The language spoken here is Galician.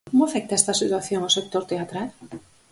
Como afecta esta situación o sector teatral?